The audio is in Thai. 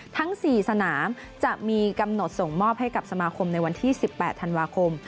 ทั้ง๔สนามจะมีกำหนดส่งมอบให้กับสมาคมในวันที่๑๘ธันวาคม